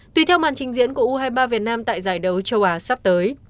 tùy theo màn trình diễn của u hai mươi ba việt nam tại giải đấu châu á sắp tới